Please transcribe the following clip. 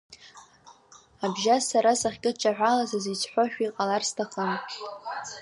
Абжьас сара сахькыдҿаҳәалаз азы исҳәошәа иҟалар сҭахым.